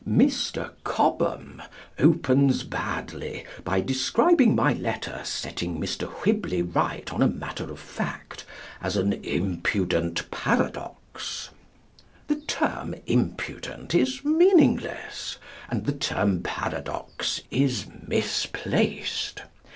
Mr. Cobbam opens badly by describing my letter setting Mr. Whibley right on a matter of fact as an "impudent paradox." The term "impudent" is meaningless, and the word "paradox" is misplaced.